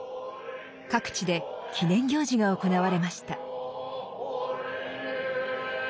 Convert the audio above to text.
各地で記念行事が行われました。